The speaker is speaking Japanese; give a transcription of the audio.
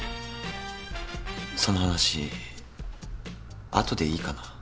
その話後でいいかな？